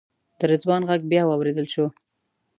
د رضوان غږ بیا واورېدل شو.